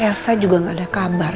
elsa juga gak ada kabar